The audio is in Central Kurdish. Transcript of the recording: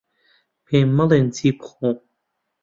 پێم مەڵێن چی بخۆم.